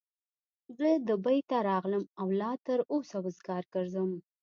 زه دبۍ ته راغلم او لا تر اوسه وزګار ګرځم.